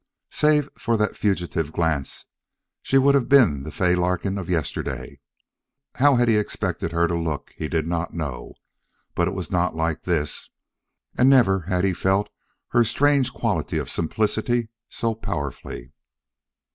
Save for that fugitive glance she would have been the Fay Larkin of yesterday. How he had expected her to look he did not know, but it was not like this. And never had he felt her strange quality of simplicity so powerfully.